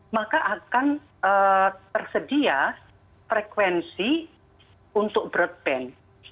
maka akan tersedia frekuensi untuk broadband